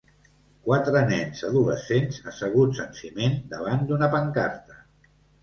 Quatre nens adolescents asseguts en ciment davant d'una pancarta.